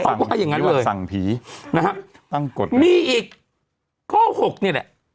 เขาว่าอย่างงั้นเลยหรือว่าสั่งผีนะครับตั้งกฎมีอีกข้อหกนี่แหละ